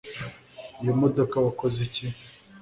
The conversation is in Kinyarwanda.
iyo modoka wakoze iki